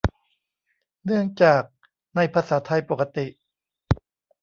เนื่องจาก ในภาษาไทยปกติ